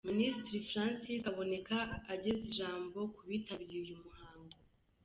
Minisitiri Francis Kaboneka ageza ijambo ku bitabiriye uyu muhango.